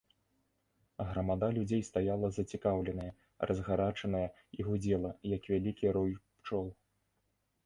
Грамада людзей стаяла зацікаўленая, разгарачаная і гудзела, як вялікі рой пчол.